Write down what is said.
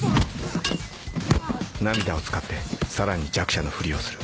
涙を使ってさらに弱者のふりをする